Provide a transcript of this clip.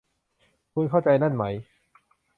คุณเข้าใจนั่นไหม